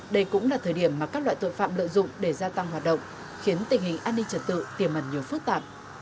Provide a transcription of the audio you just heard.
đây cũng là thời điểm mà các loại tội phạm lợi dụng để gia tăng hoạt động khiến tình hình an ninh trật tự tiềm mặt nhiều phức tạp